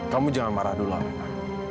kamu jangan marah dulu lena